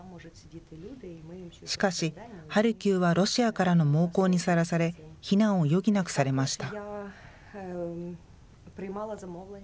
しかしハルキウはロシアからの猛攻にさらされ避難を余儀なくされました。